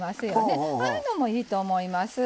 ああいうのもいいと思います。